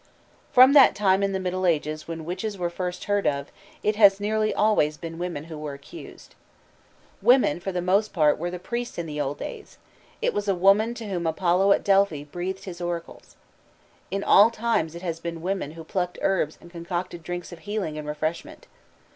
From that time in the Middle Ages when witches were first heard of, it has nearly always been women who were accused. Women for the most part were the priests in the old days: it was a woman to whom Apollo at Delphi breathed his oracles. In all times it has been women who plucked herbs and concocted drinks of healing and refreshment.